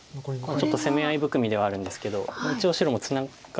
ちょっと攻め合い含みではあるんですけど一応白もツナがってはいないので。